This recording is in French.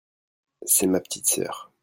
C'est ma petite sœur.